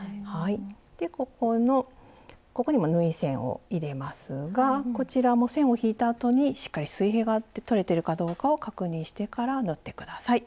でここのここにも縫い線を入れますがこちらも線を引いたあとにしっかり水平がとれてるかどうかを確認してから縫って下さい。